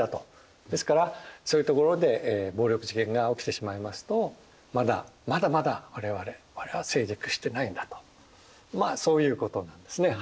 ですからそういうところで暴力事件が起きてしまいますとまだまだまだ我々は成熟してないんだとまあそういうことなんですねはい。